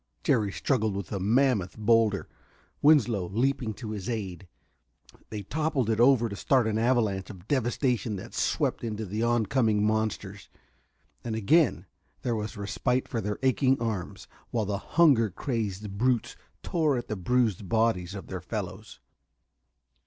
Jerry struggled with a mammoth boulder, Winslow leaping to his aid. They toppled it over to start an avalanche of devastation that swept into the oncoming monsters. And again there was respite for their aching arms, while the hunger crazed brutes tore at the bruised bodies of their fellows.